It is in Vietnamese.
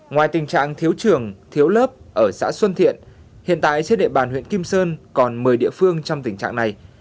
ngoài tình trạng thiếu trường thiếu lớp ở xã xuân thiện hiện tại trên địa bàn huyện kim sơn còn một mươi địa phương trong tình trạng này